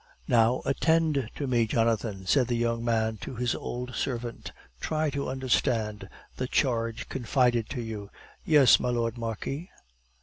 "Now attend to me, Jonathan," said the young man to his old servant. "Try to understand the charge confided to you." "Yes, my Lord Marquis."